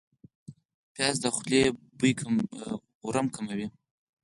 پیاز د خولې ورم کموي